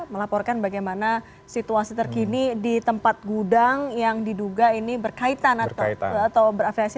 melaporkan bagaimana situasi terkini di tempat gudang yang diduga ini berkaitan atau berafiliasi